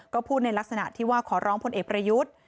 ก็พูดในลักษณะที่ว่าขอร้องพลเอกประยุทธ์